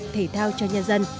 thể thao cho nhau